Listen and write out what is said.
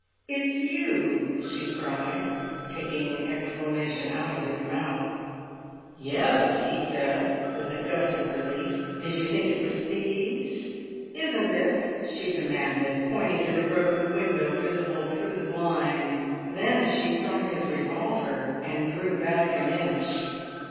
"It's you!" she cried, taking the exclamation out of his mouth. "Yes," he said, with a gust of relief; "did you think it was thieves?" "Isn't it?" she demanded, pointing to the broken window visible through the blind. Then she saw his revolver, and drew back an inch.